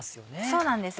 そうなんです